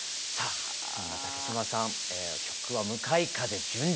そんな竹島さん曲は「向かい風純情」。